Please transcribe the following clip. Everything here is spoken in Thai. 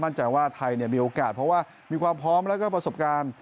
ใจว่าไทยมีโอกาสเพราะว่ามีความพร้อมแล้วก็ประสบการณ์